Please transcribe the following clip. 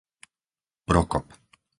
Prokop